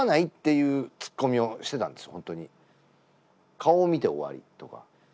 顔を見て終わりとか。